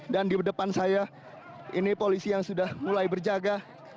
dan di depan saya ini polisi yang sudah mulai berjaga